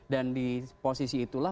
dan di posisi itulah